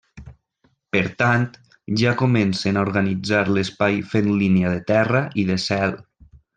Per tant, ja comencen a organitzar l'espai fent línia de terra i de cel.